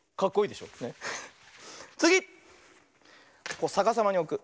こうさかさまにおく。